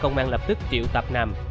cơ quan công an lập tức triệu tạp nam